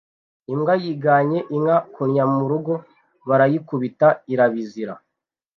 Imbwa yigannye inka kunnya mu rugo (barayikubita) irabizira